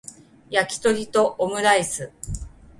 やきとりとオムライス